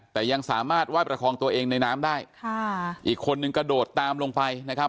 แต่ยังสามารถไหว้ประคองตัวเองในน้ำได้ค่ะอีกคนนึงกระโดดตามลงไปนะครับ